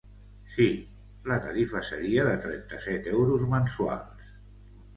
Sí, la tarifa seria de trenta-set euros mensuals.